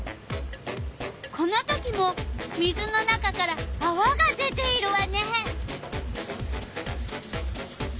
このときも水の中からあわが出ているわね！